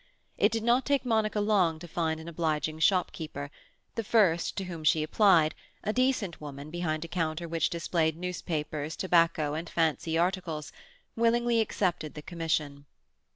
It did not take Monica long to find an obliging shopkeeper; the first to whom she applied—a decent woman behind a counter which displayed newspapers, tobacco, and fancy articles—willingly accepted the commission.